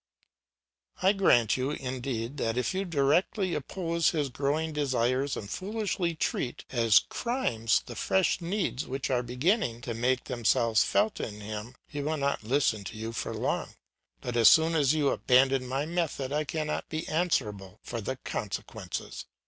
I grant you, indeed, that if you directly oppose his growing desires and foolishly treat as crimes the fresh needs which are beginning to make themselves felt in him, he will not listen to you for long; but as soon as you abandon my method I cannot be answerable for the consequences.